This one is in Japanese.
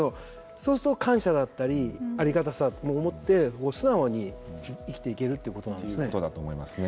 そうすると、感謝だったりありがたさを思って素直に生きていけるだと思いますね。